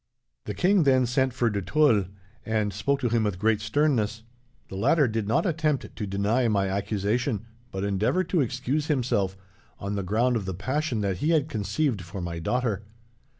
"The king then sent for de Tulle, and spoke to him with great sternness. The latter did not attempt to deny my accusation, but endeavoured to excuse himself, on the ground of the passion that he had conceived for my daughter.